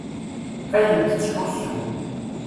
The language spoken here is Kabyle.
Ayen tettḥussu.